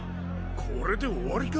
これで終わりか？